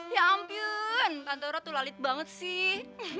ya ampun tante ro tuh lalit banget sih